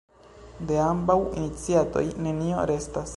De ambaŭ iniciatoj nenio restas.